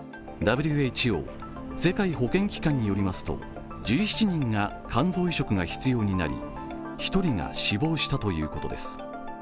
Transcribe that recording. ＷＨＯ＝世界保健機関によりますと１７人が肝臓移植が必要になり１人が死亡したということです。